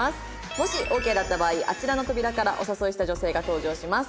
もしオーケーだった場合あちらの扉からお誘いした女性が登場します。